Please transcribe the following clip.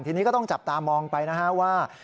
ทีนี้ก็ต้องจับตามองไปนะฮะว่า